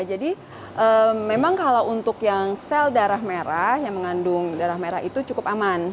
jadi memang kalau untuk yang sel darah merah yang mengandung darah merah itu cukup aman